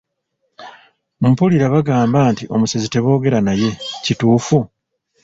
Mpulira bagamba nti omusezi teboogera naye, Kituufu?